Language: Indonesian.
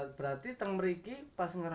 terus berarti untuk mereka begitu waktu irap